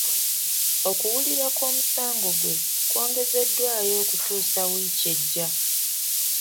Okuwulirwa kw'omusango gwe kwongezeddwayo okutuusa wiiki ejja.